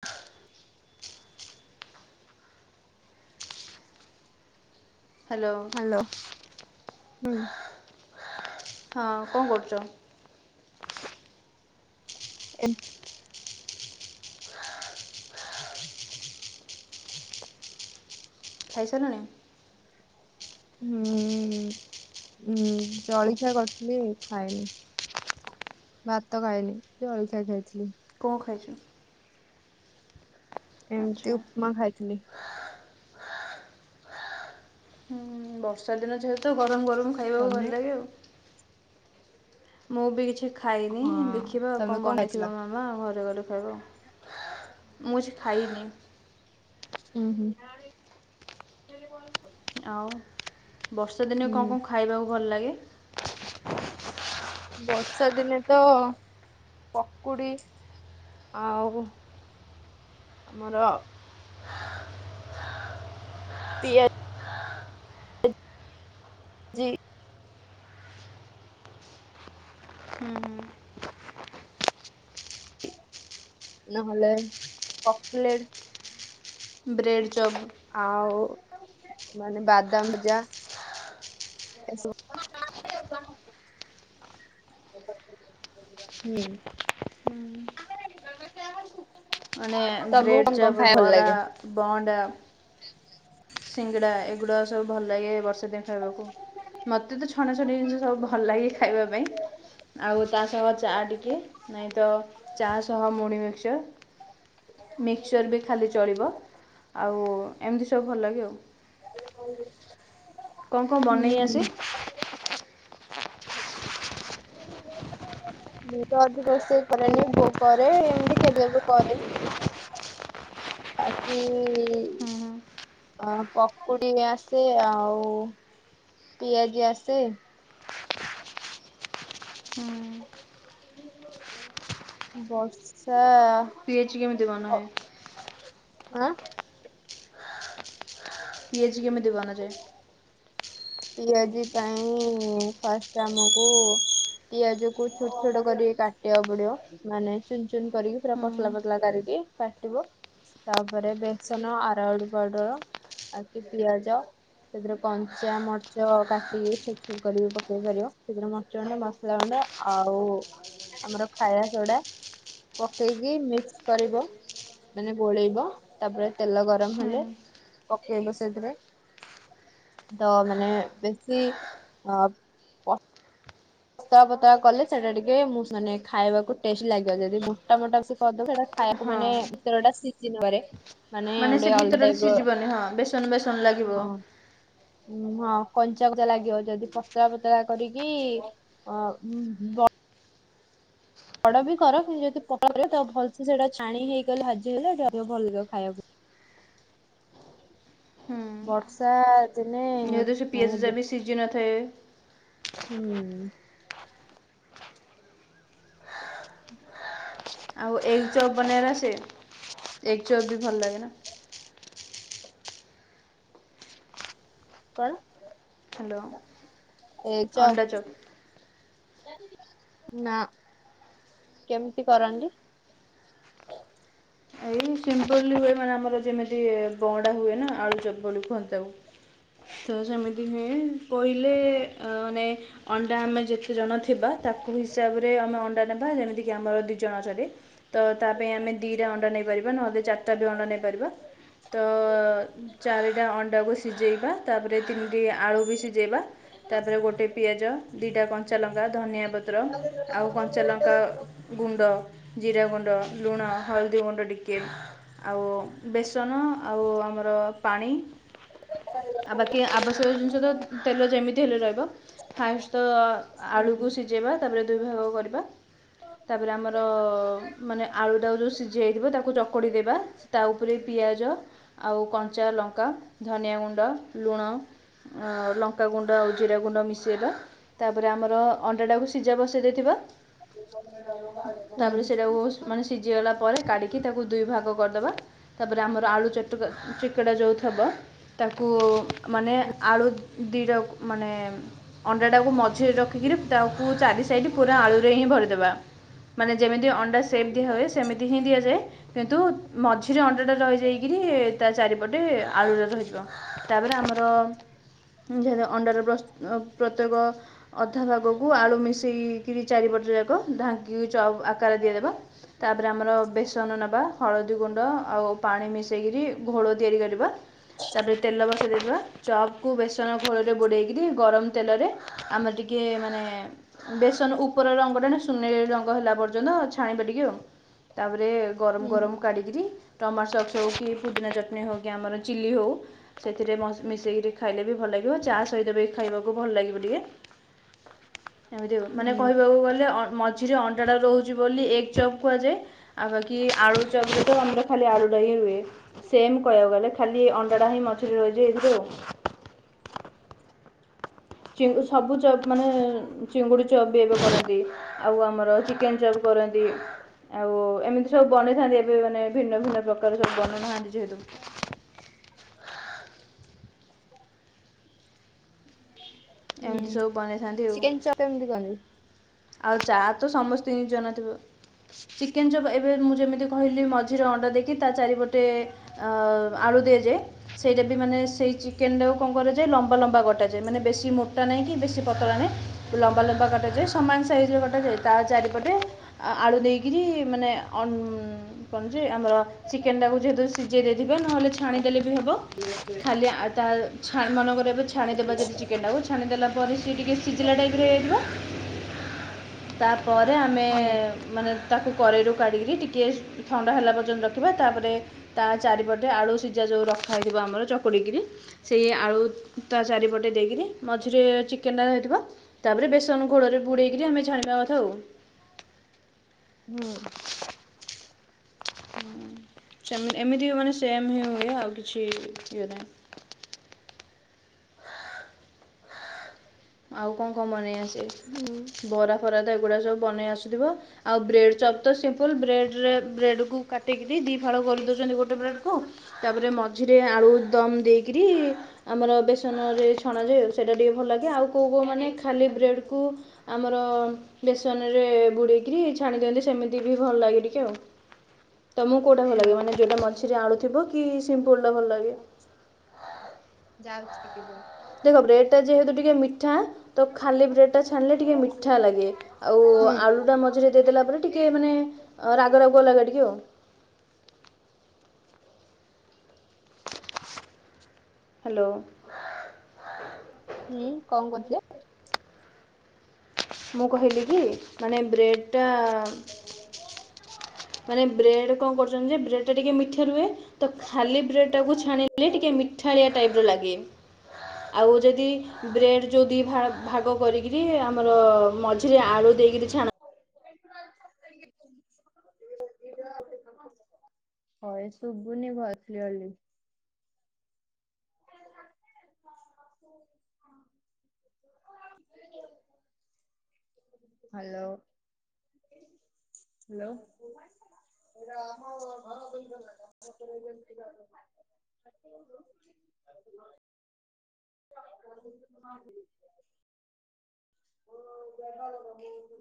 ଆ hello. Hello ହୁଁ। ହଁ କଣ କରୁଚ? ଏ ଖାଇସାରିଲଣି? ହୁଁ ହୁଁ ଜଳଖିଆ କରିଥିଲି ଖାଇନି। ଭାତ ଖାଇନି ଜଳଖିଆ ଖାଇଥିଲି। କଣ ଖାଇଚ? ଆଚ୍ଛା ଏମିତି ଉପମା ଖାଇଥିଲି। ହୁଁ ବର୍ଷା ଦିନ ଯେହେତୁ ଗରମ୍ ଗରମ୍ ଖାଇବାକୁ ତମେ ଭଲ ଲାଗେ ଆଉ। ମୁଁ ବି କିଛି ଖାଇନି ହଁ ଦେଖିବା ତମେ କଣ ଖାଇଥିଲ? ବନେଇଥିବ ମାମା ଘରେ ଗଲେ ଖାଇବା। ମୁଁ କିଛି ଖାଇନି। ଉଁ ହୁଁ। ଆଉ ବର୍ଷା ଦିନେ କଣ ହୁଁ କଣ ଖାଇବାକୁ ଭଲ ଲାଗେ? ବର୍ଷା ଦିନେତ ପକୁଡ଼ି। ଆଉ ଆମର ପିଆ ଜି ଉଁ ହୁଁ। ନହେଲେ କକଲେଟ୍। ବ୍ରେଡ଼ ଚପ୍ ଆଉ ମାନେ ବାଦାମ ଭଜା ଏସବୁ। ହୁଁ [unintelligible] ମାନେ ତମକୁ ବ୍ରେଡ଼ କଣ କଣ ଚପ୍ ଖାଇବା ଭଲ ବରା ଲାଗେ? ବହଣ୍ଡା ସିଙ୍ଗଡ଼ା ଏଗୁଡ଼ାକ ସବୁ ଭଲ ଲାଗେ ବର୍ଷା ଦିନ୍ ଖାଇବାକୁ। ମତେତ ଛଣା ଛଣି ଜିନିଷ ସବୁ ଭଲ ଲାଗେ ଖାଇବା ପାଇଁ। ଆଉ ତାସହ ଚା ଟିକେ ନାଇଁତ ଚା ସହ ମୁଡ଼ି ମିକ୍ସଚର୍। ମିକ୍ସଚର୍ ବି ଖାଲି ଚଳିବ ଆଉ ଏମିତି ସବୁ ଭଲ ଲାଗେ ଆଉ। [unintelligible] କଣ କଣ ବନେଇ ଆସେ? ହୁଁ। ମୁଁତ ଅଧିକ ରୋଷେଇ କରେନି ବୋଉ କରେ ଏମିତି କେବେକେବେ କରେ। ଆଁ ତି ହୁଁ ହୁଁ ଅଁ ପକୁଡ଼ି ଆସେ ଆଉ ପିଆଜି ଆସେ। ହୁଁ। ବର୍ଷା ପିଆଯି କେମିତି ଅ ବାନାହୁଏ? ଆଁ। ପିଆଜି କେମିତି ବନାଯାଏ ପିଆଜି ପାଇଁ ଫାଷ୍ଟ ଆମକୁ ପିଆଜକୁ ଛୋଟ ଛୋଟ କରି କାଟିବାକୁ ପଡ଼ିବ ମାନେ ଚୁନ୍ ଚୁନ୍ କରିକି ପୁରା ହୁଁ ପତଳା ପତଳା କରିକି କାଟିବ ତାପରେ ବେସନ ଆରଉଡ ପାଉଡର୍ ଆଗେକି ପିଆଜ ସେଥିରେ କଞ୍ଚା ର୍ମ ମର୍ଚ କଟିକିବି ଛୋଟ ଛୋଟ କରି ପକେଇ ପାରିବ ସେଥିରେ ମରିଚ ଗୁଣ୍ଡ ମସଲା ଗୁଣ୍ଡ ଆଉ ଆମର ଖାଇବା ସୋଡ଼ା ପକେଇକି ମିକ୍ସ କରିବ ମାନେ ଗୋଳେଇବ ତାପରେ ତେଲ ଗରମ୍ ହୁଁ ହେଲେ ପକେଇବ ସେଇଥିରେ ତ ମାନେ ବେଶୀ ଅ ପତଳା ପତଳା କଲେ ସେଇଟା ଟିକେ ମୁସୁ ମାନେ ଖାଇବାକୁ ଟେଷ୍ଟ ଲାଗିବ ଯଦି ମୋଟା ମୋଟା କରିଦବ ସେଟା ଖାଇବାକୁ ହଁ ମାନେ ଭିତରଟା ସିଝି ନପାରେ ମାନେ ସେ ଭିତରଟା ସିଝିବନି ହଁ ବେସନ ବେସନ ଲାଗିବ। ହଁ। ହଁ କଞ୍ଚା କଞ୍ଚା ଲାଗିିବ ଯଦି ପତଳା ପତଳା କରିକି ଅ ଵଡ ବି କର କିନ୍ତୁ ଯଦି ପ ଭଲସ ସେଇଟା ଛାଣି ହେଇଗଲେ ଭାଜି ହେଲେ ଭଲ ଖାଇବାକୁ ହୁଁ ବର୍ଷା ଦିନେ ଯେହେତୁ ସେ ମାନେ ପିଆଜ ଟାବି ସିଝିନଥାଏ। ହୁଁ। ଆଉ ଏଗ୍ ଚପ୍ ବନେଇବାଟ ଆସେ ଏଗ୍ ଚପ୍ ବି ଭଲ ଲାଗେନା? କଣ ହ୍ୟାଲୋ ଏଗ୍ ଅଣ୍ଡା ଚପ? ଚପ୍ ନା କେମିତି କରନ୍ତି? ସିମ୍ପଲ ହୁଏ ମାନେ ଆମର ଯେମିତି ବଡା ହୁଏନା ଆଳୁଚପ୍ [unintelligible] ତ ସେମିତି ହୁଏ କହିଲେ ଅ ମାନେ ଅ ତା ଆମେ ଯେତେ ଜଣ ଥିବା ତାକୁ ହିସାବରେ ଆମେ ଅଣ୍ଡା ନେବା ଯେମିତିକି ଆମର ଦି ଜଣ ଅଛନ୍ତି। ତ ତା ପାଇଁ ଆମେ ଦିଇଟା ଅଣ୍ଡା ନେଇପାରିବା ନହେଲେ ଚାରଟା ବି ଅଣ୍ଡା ନେଇପାରିବା। ତ ଚାରିଟା ଅଣ୍ଡାକୁ ସିଝେଇବା ତାପରେ ତିନିଟି ଆଳୁ ବି ସିଝେଇବା। ତା ପରେ ଗୋଟେ ପିଆଜ ଦୁଇଟା କଞ୍ଚା ଲଙ୍କା ଧନିଆ ପତ୍ର ଆଉ କଞ୍ଚାଲଙ୍କା ଗୁଣ୍ଡ ଜିରା ଗୁଣ୍ଡ ଲୁଣ ହଳଦୀ ଗୁଣ୍ଡ ଟିକେ। ଟିକେ ଆଉ ବେସନ ଆଉ ଆମର ପାଣି। ଆଉ ବାକି ଆବଶ୍ୟକ ଜିନିଷ ତ ତେଲ ଯେମିତି ହେଲେ ରହିବ। ଫାଷ୍ଟ ତ ହୁଁ ଆଳୁକୁ ସିଝେଇବା ତାପରେ ଦୁଇ ଭାଗ କରିବା। ତାପରେ ଆମର ମାନେ ଆଳୁ ତାକୁ ଯୋଉ ସିଝା ହେଇଥିବ ତାକୁ ଚକୁଡ଼ି ଦେବା ତା ଉପରେ ପିଆଜ ଆଉ କଞ୍ଚା ଲଙ୍କା ଧନିଆ ଗୁଣ୍ଡ ଲୁଣ। ଆଉ ଲଙ୍କାଗୁଣ୍ଡ ଆଉ ଜିରା ଗୁଣ୍ଡ ମିଶେଇବା। ତାପରେ ଆମର ଅଣ୍ଡାଟାକୁ ସିଝା ବସେଇ ଦେଇଥିବା ହୁଁ ତାପରେ ସେଟାକୁ ମାନେ ସିଝିଗଲା ପରେ କାଡି କି ତାକୁ ଦୁଇ ଭାଗ କରିଦେବା ତାପରେ ଆମର ଆଳୁ ଚଟକା ଚିକେଡ଼ା ଯୋଉ ଥବ। ତାକୁ ମାନେ ଆଳୁ ଦିଇଟାକୁ ମାନେ ଅଣ୍ଡାଟାକୁ ମଝିରେ ରଖିକିରି ତାକୁ ଚାରି ସାଇଡ଼ ପୁରା ଆଳୁରେ ହିଁ ଭରିଦେବା। ମାନେ ଯେମିତି ଅଣ୍ଡା ସେପ୍ ଦିଆ ହୁଏ ସେମିତି ହିଁ ଦିଆଯାଏ। କିନ୍ତୁ ମଝିରେ ଅଣ୍ଡା ଟା ରହିଯାଇକରି ତା ଚାରିପଟେ ଆଳୁୁର ହେଇଯିବ ତାପରେ ଆମର ଯେ ଅଣ୍ଡାର ପ୍ରସ୍ତୁତ ପ୍ରତ୍ୟେକ ଅଧା ଭାଗକୁ ଆଳୁ ମିଶେଇକିରି ଚାରିପଟ ଯାକ ଢାଙ୍କି ଆକାର ଦିଆଦବା। ତାପରେ ଆମର ବେସ୍ ବେସନ ନେବା ହଳଦୀ ଗୁଣ୍ଡ ଆଉ ପାଣି ମିଶାଇ କିରି ଘୋଳ ତିଆରି କରିବା। ତା ପରେ ତେଲ ବସାଇ ଦେଇଥିବା ଚପକୁ ବେସନ ଘୋଳରେ ବୁଡ଼ାଇକରି ଗରମ ତେଲରେ ଆମେ ଟିକେ ମାନେ ବେସନ ଉପର ରଙ୍ଗଟା ନା ସୁନେରି ରଙ୍ଗ ହେଲା ପର୍ଯ୍ୟନ୍ତ ଛାଣିବା ଟିକେ ଆଉ ତାପରେ ଗରମ ହୁଁ ଗରମ କାଢିକିରି ଟମାଟ ସକ୍ସ ହଉ କି ପୁଦିନା ଚଟଣି ହଉ କି ଆମର ଚିଲି ହଉ ସେଥିରେ ମିଶେଇକିରି ଖାଇଲେ ବି ଭଲ ଲାଗିବ ଚା ସହିତ ବି ଖାଇବାକୁ ଭଲ ଲାଗିବ ଟିକେ। ଏମିତି ହ ମାନେ ହୁଁ କହିବାକୁ ଗଲେ ମଝ୍ ମଝିରେ ଅଣ୍ଡାଟା ର ଉଛି ବୋଲି ଏଗ୍ ଚପ୍‌ କୁହାଯାଏ ଆଉ ବାକି କି ଆଳୁ ଚପ୍‌ ସହିତ ଆମର ଖାଲି ଆଳୁ ଟାହି ରୁହେ। ସେମ୍ କହିବାକୁ ଗଲେ ଖାଲି ଅଣ୍ଡାଟା ହିଁ ମଝିରେ ରହିଛି ଏଇଥିରେ ଆଉ କିନ୍ତୁ ସବୁ ଚପ୍ ମାନେ ଚିଙ୍ଗୁଡ଼ି ଚପ୍ ବି ଏବେ କରନ୍ତି। ଆଉ ଆମର ଚିକେନ୍‌ଚପ୍ କରନ୍ତି ଆଉ ଏମିତି ସବୁ ବନେଇଥାନ୍ତି ଏବେ ମାନେ ଭିନ୍ନ ଭିନ୍ନ ପ୍ରକାର ସବୁବନାଇଥାନ୍ତି ଯେହେତୁ ହଁ ହଁ ଇଏ ଚିକେନ୍‌ଚପ୍ କେମିତି [unintelligible] ଆଉ ଚା ତ ସମସ୍ତଙ୍କୁ ଜଣା ଥିବ ଚିକେନ୍‌ଚପ୍ ଏବେ ମୁଁ ଯେମିତି କହିଲି ମଝିରେ ଅଣ୍ଡା ଦେଇକି ତା ଚାରିପଟେ ଅ ଆଳୁ ଦିଆଯାଏ। ସେଇଟା ବି ମାନେ ସେଇ ଚିକେନ୍‌ଟାକୁ କଣ କରାଯାଏ ଲମ୍ବା ଲମ୍ବା କଟାଯାଏ ମାନେ ବେଶୀ ମୋଟା ନାହିଁ କି ବେଶୀ ପତଳା ନାହିଁ। ଲମ୍ବା ଲମ୍ବା କଟାଯାଏ। ସମାନ ସାଇଜର କଟାଯାଏ ତା ଚାରିପଟେ ଆଳୁ ଦେଇକରି ମାନେ ଅଣ୍ କଣ ଯେ ଆମର ଚିକେନ୍‌ ଟାକୁ ଯେହେତୁ ସିଝେଇ ଦେଇଥିବେ ନହେଲେ ଛାଣିଦେଲେ ବି ହେବ ଖାଲି ତାଛ ମନେକର ଏବେଛାଣିଦେବା ଯଦି ଚିକେନ୍‌ଟାକୁ ଛାଣି ଦେଲା ପରେ ସିଏ ଟିକେ ସିଝିଲା ଟାଇପ୍‌ର ହେଇଯାଇଥିବ। ହୁଁ। ତାପରେ ଆମେ ମାନେ ତାକୁ କରେଇରୁ କାଢ଼ିକିରି ଟିକିଏ ଥଣ୍ଡା ହେଲା ପର୍ଯ୍ୟନ୍ତ ରଖିବା ତାପରେ ତା ଚାରିପଟେ ଆଳୁ ସିଝା ଯୋଉ ରଖା ହେଇଥିବ ଆମର ଚକୁଡ଼ିକିରି ସେଇ ଆଳୁ ତା ଚାରିପଟେ ଗୋଟେ ଦେଇକରି ମଝିରେ ଚିକେନ୍ ଟା ରହିଥିବ ତାପରେ ବେସନ ଘୋଡ଼ରେ ବୁଡ଼େଇକରି ଆମେ ଛାଣିବା କଥା ଆଉ। ହୁଁ। [unintelligible] ଏମିତି ବି ମାନେ ସେମ ହିଁ ହୁଏ ଆଉ କିଛି ଇଏ ନାହିଁ। ଆଉ କଣ କଣ ବନେଇ ଆସେ ହୁଁ। ବରା ଖରାଦ ଏଗୁଡ଼ା ସବୁ ବନେଇ ଆସୁଥିବ ଆଉ ବ୍ରେଡ଼୍ ଚପ୍ ତ ସିମ୍ପଲ୍ ବ୍ରେଡ଼ରେ ବ୍ରେଡ଼୍ କୁ କାଟିକିରି ଦୁଇ ଫାଳ କରିଦେଉଛନ୍ତି ଗୋଟେ ବ୍ରେଡ଼୍ ତାପରେ ମଝିରେ ଆଳୁ ଦମ୍‌ଦେଇକିରି ଆମର ବେସନରେ ଛଣାଯାଏ ସେଇଟା ଟିକେ ଭଲ ଲାଗେ ଆଉ କଉ କଉ ମାନେ ଖାଲି ବ୍ରେଡ୍‌କୁ ଆମର ବେସନରେ ବୁଡ଼େଇକି ଛାଣି ଦିଅନ୍ତି ସେମିତି ବି ଭଲ ଲାଗେ ଟିକେ ଆଉ। ତମକୁ କୋଉଟା ଭଲ ଲାଗେ ମାନେ ଯୋଉଟା ମଝିରେ ଆଳୁ ଥିବ କି ସିମ୍ପୁଲ୍‌ ଟା ଭଲ ଲାଗେ? ଯାଉଛି ଟିକେ ପରେ। ଦେଖ ବ୍ରେଡ୍‌ ଟା ଯେହେତୁ ଟିକେ ମିଠା ତ ଖାଲି ବ୍ରେଡ୍‌ ଟା ଛାଣିଲେ ଟିକେ ମିଠା ଲାଗେ ଆଉ ହୁଁ ଆଳୁଟା ମଝିରେ ସିଝେଇ ଦେଲା ପରେ ଟିକେ ମାନେ ରାଗ ରାଗୁଆ ଲାଗେ ଟିକେ ଆଉ। ହ୍ୟାଲୋ। ହୁଁ କଣ କରୁଛ? ହଁ ମୁଁ କହିଲି କି ମାନେ ବ୍ରେଡ୍‌ ଟା ହ ମାନେ ବ୍ରେଡ୍‌ କଣ କରୁଛନ୍ତି ଯେ ବ୍ରେଡ୍‌ଟା ଟିକେ ମିଠା ରୁହେ ତ ଖାଲି ବ୍ରେଡ୍ ଟାକୁ ଛାଣିଲେ ଟିକେ ମିଠା ଠାଳିଆ ଟାଇପ୍ ର ଲାଗେ ଆଉ ଯଦି ବ୍ରେଡ୍ ଯୋଉ ଦି ଭାଗ କରିକି ଆମର ମଝିରେ ଆଳୁ ଦେଇକରି ଛାଣନ୍ ଆ ହ ଶୁଭୁନି ଭଏସ୍‌କ୍ରିଏର ଲି ହଁ ହ୍ୟାଲୋ ହ୍ୟାଲୋ। ଏରା ଆମ ଘର ଦୁଇଶ ନାଖା [inaudible] [unintelligible] ଓ ଦେଖାକର ମୁଁ